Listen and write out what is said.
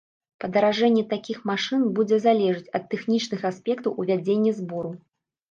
Падаражэнне такіх машын будзе залежаць ад тэхнічных аспектаў ўвядзення збору.